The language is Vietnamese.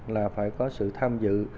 là phải có sự tham dự